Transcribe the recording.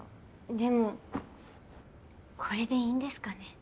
でもこれでいいんですかね。